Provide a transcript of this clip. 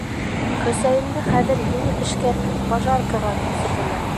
Хөсәйенде хәҙер еңел эшкә «Пожарка»ға күсерҙеләр.